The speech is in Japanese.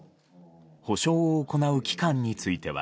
補償を行う期間については。